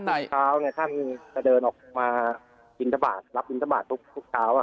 คนไหนท่านจะเดินออกมารับอินทสบาททุกครั้ง